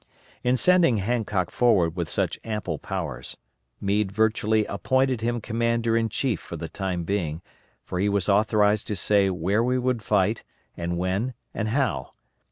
In sending Hancock forward with such ample powers, Meade virtually appointed him commander in chief for the time being, for he was authorized to say where we would fight, and when, and how.